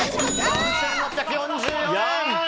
４６４４円！